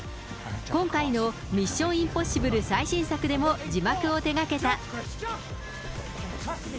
今回のミッション・インポッシブル最新作でも字幕を手がけた。